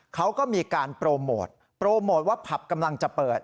เขาก็มีการโปรโมทโปรโมทว่าผับกำลังจะเปิด